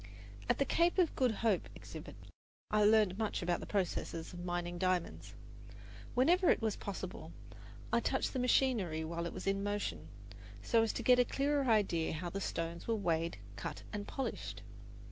At the Cape of Good Hope exhibit, I learned much about the processes of mining diamonds. Whenever it was possible, I touched the machinery while it was in motion, so as to get a clearer idea how the stones were weighed, cut, and polished.